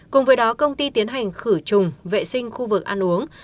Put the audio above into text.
cùng với đó công ty tiến hành khử trùng vệ sinh khu vực ăn uống